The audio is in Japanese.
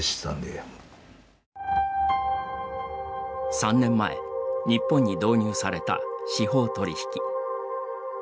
３年前、日本に導入された「司法取引」。